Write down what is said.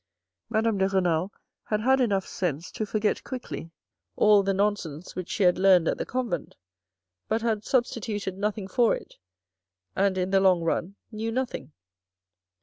Madame de Renal had had enough sense to forget quickly all the nonsense which she had learned at the convent, but had substituted nothing for it, and in the long run knew nothing.